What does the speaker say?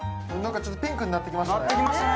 ちょっとピンクになってきましたね